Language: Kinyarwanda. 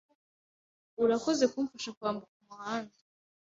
Abana twese turi hano turi batatu,